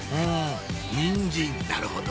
「にんじん」なるほど！